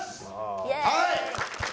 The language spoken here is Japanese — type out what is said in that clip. はい！